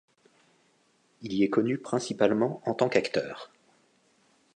Il y est connu principalement en tant qu'acteur.